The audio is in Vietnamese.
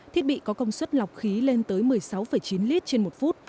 thiết bị có công suất lọc khí lên tới một mươi sáu chín lít trên một phút